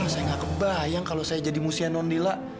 saya gak kebayang kalau saya jadi musia nondila